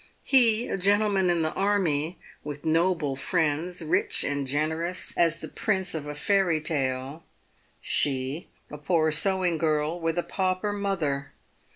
He, a gentleman in the army, with noble friends, rich and generous as the prince of a fairy tale, she, a poor sewing girl, with a pauper mother